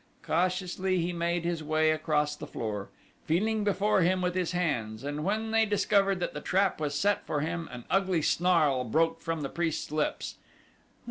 Cautiously he made his way across the floor, feeling before him with his hands, and when they discovered that the trap was set for him an ugly snarl broke from the priest's lips.